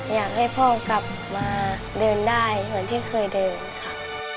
อยากให้พ่อกลับมาเดินได้เหมือนที่เคยเดินค่ะ